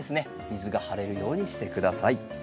水が張れるようにして下さい。